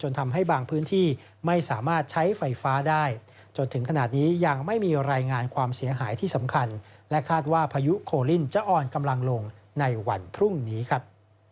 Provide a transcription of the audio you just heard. ในวันพรุ่งนี้ครับ